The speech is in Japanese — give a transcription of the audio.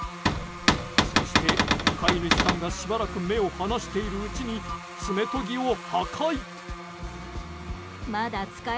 そして飼い主さんがしばらく目を離しているうちに爪とぎを破壊。